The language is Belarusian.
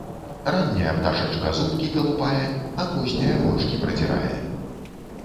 Ранняя пташачка зубкі калупае, а позняя вочкі прадзірае.